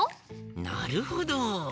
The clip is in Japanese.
なるほど！